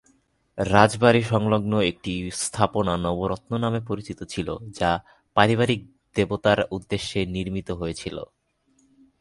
রাজবাড়ি সংলগ্ন একটি স্থাপনা ‘নবরত্ন’ নামে পরিচিত ছিল যা পারিবারিক দেবতার উদ্দেশ্যে নির্মিত হয়েছিল।